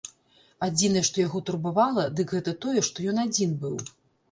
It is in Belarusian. Адзінае, што яго турбавала, дык гэта тое, што ён адзін быў.